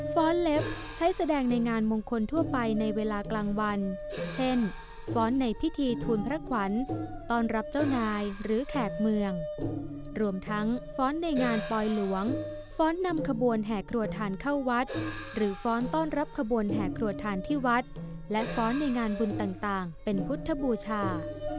เล็บใช้แสดงในงานมงคลทั่วไปในเวลากลางวันเช่นฟ้อนในพิธีทูลพระขวัญต้อนรับเจ้านายหรือแขกเมืองรวมทั้งฟ้อนในงานปลอยหลวงฟ้อนนำขบวนแห่ครัวทานเข้าวัดหรือฟ้อนต้อนรับขบวนแห่ครัวทานที่วัดและฟ้อนในงานบุญต่างเป็นพุทธบูชา